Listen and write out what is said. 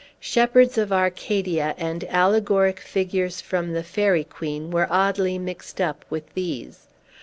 Shepherds of Arcadia, and allegoric figures from the "Faerie Queen," were oddly mixed up with these.